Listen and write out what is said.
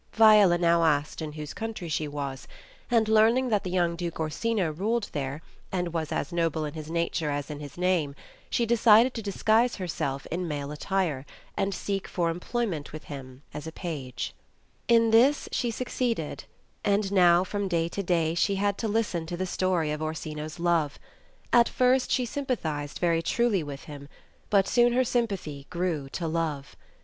Viola now asked in whose country she was, and learning that the young Duke Orsino ruled there, and was as noble in his nature as in his name, she decided to disguise herself in male attire, and seek for employment with him as a page y Children's Shakeapeaf CO THE CHILDREN'S SHAKESPEARE. In this she succeeded, and now from day to day she had to listen to the story of Orsino's love. At first she sympathized very truly with him, but soon her sympathy grew to love.